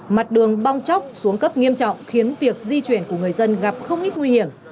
mặt đường bong chóc xuống cấp nghiêm trọng khiến việc di chuyển của người dân gặp không ít nguy hiểm